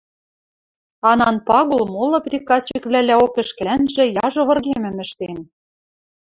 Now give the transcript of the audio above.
Анан Пагул молы приказчиквлӓлӓок ӹшкӹлӓнжӹ яжо выргемӹм ӹштен